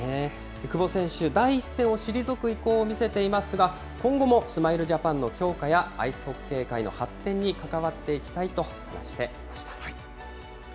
久保選手、第一線を退く意向を見せていますが、今後もスマイルジャパンの強化やアイスホッケー界の発展に関わっていきたいと話していました。